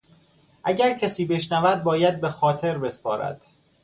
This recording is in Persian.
اگر کسی بشنود باید به خاطر بسپارد.